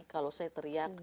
kalau saya teriak